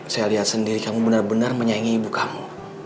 saya lihat sendiri kamu benar benar menyaingi ibu kamu